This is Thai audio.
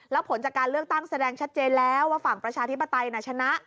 แล้วผลจากการเลือกตั้งแสดงชัดเจนแล้วว่าฝั่งประชาธิปไตยชนะ